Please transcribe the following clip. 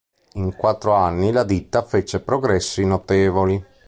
In quattro anni la ditta fece progressi notevoli.